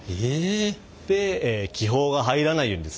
で気泡が入らないようにですね